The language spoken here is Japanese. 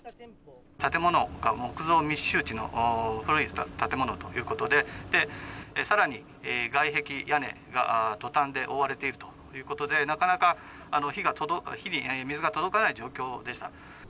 建物が木造密集地の古い建物ということで、さらに外壁、屋根が、トタンで覆われているということで、なかなか火に水が届かない状況でした。